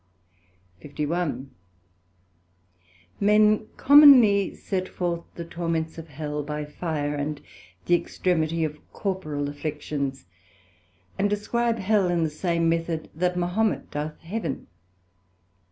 [B] Last and proper, 1672. SECT.51 Men commonly set forth the torments of Hell by fire, and the extremity of corporal afflictions, and describe Hell in the same method that Mahomet doth Heaven.